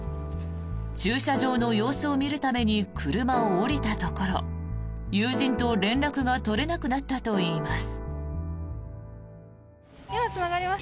駐車場の様子を見るために車を降りたところ友人と連絡が取れなくなったといいます。